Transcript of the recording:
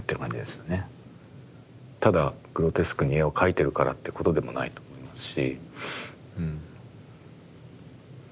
ただグロテスクに絵を描いてるからということでもないと思いますしうん。